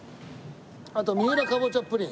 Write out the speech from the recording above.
あと三浦かぼちゃプリン。